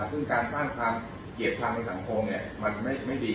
ซึ่งการสร้างความเกลียดชังในสังคมมันไม่ดี